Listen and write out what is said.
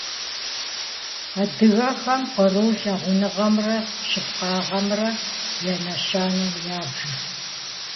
Адыгэхэм кърур лъагъуныгъэмрэ щыпкъагъэмрэ я нэщэнэу ябжырт.